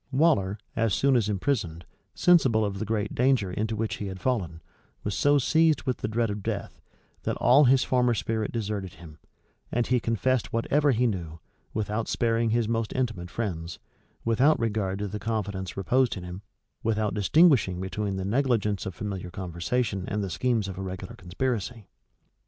[*] Waller, as soon as imprisoned, sensible of the great danger into which he had fallen, was so seized with the dread of death, that all his former spirit deserted him; and he confessed whatever he knew, without sparing his most intimate friends, without regard to the confidence reposed in him, without distinguishing between the negligence of familiar conversation and the schemes of a regular conspiracy.